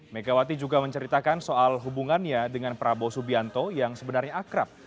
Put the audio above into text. megawati juga menceritakan soal hubungannya dengan prabowo subianto yang sebenarnya akrab